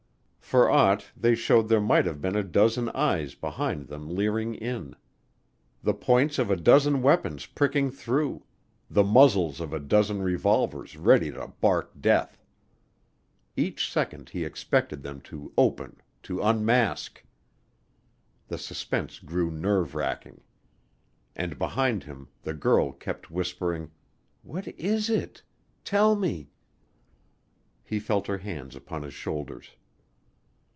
For aught they showed there might have been a dozen eyes behind them leering in; the points of a dozen weapons pricking through; the muzzles of a dozen revolvers ready to bark death. Each second he expected them to open to unmask. The suspense grew nerve racking. And behind him the girl kept whispering, "What is it? Tell me." He felt her hands upon his shoulders.